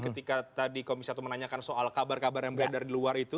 ketika tadi komisi satu menanyakan soal kabar kabar yang beredar di luar itu